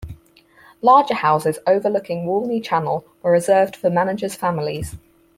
Larger houses overlooking Walney Channel were reserved for managers' families.